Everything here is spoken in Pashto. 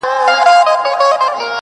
o تېرومه ژوند د دې ماښام په تمه,